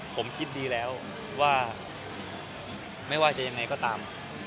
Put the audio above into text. ผมคิดดีแล้วว่าไม่ว่าจะยังไงก็ตาม